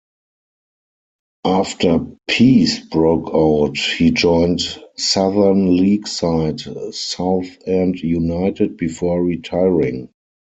After peace broke out, he joined Southern League side Southend United, before retiring.